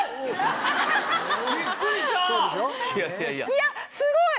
いやすごい！